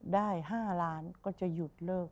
ได้๕หลานก็จะหยุดลูก